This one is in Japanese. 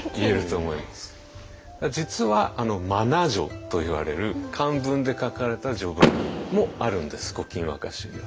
実は真名序といわれる漢文で書かれた序文もあるんです「古今和歌集」には。